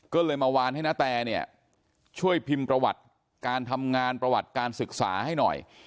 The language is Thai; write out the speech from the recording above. ก็เลยมาวานให้นาแตเนี่ยช่วยพิมพ์ประวัติการทำงานประวัติการศึกษาให้หน่อย